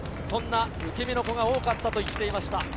そんな受け身の子が多かったと言っていました。